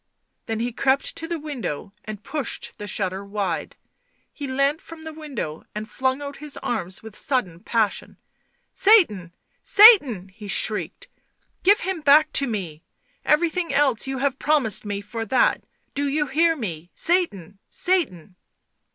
Then he crept to the window and pushed the shutter wide. He leant from the window and flung out his arms with sudden passion. " Satan ! Satan !" he shrieked. " Give him back to me ! Everything else you have promised me for that ! Do you hear me ! Satan ! Satan